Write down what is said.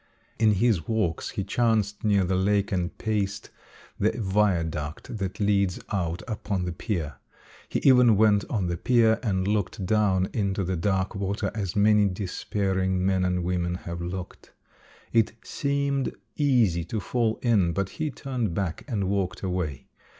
In his walks he chanced near the lake and paced the viaduct that leads out upon the pier. He even went on the pier and looked down into the dark water as many despairing men and women have looked. It seemed easy to fall in, but he turned back and walked away.